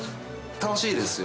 楽しいですよ。